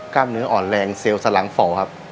กล้ามเนื้ออ่อนแรงเซลล์สลังเฝ่าครับ